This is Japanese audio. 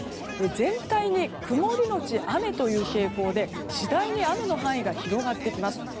全体に曇りのち雨という傾向で次第に雨の範囲が広がってきます。